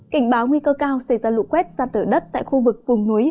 cảnh báo nguy cơ cao sẽ ra lũ quét ra tở đất tại khu vực vùng núi